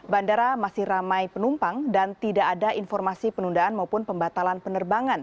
bandara masih ramai penumpang dan tidak ada informasi penundaan maupun pembatalan penerbangan